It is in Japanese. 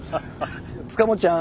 塚本ちゃん。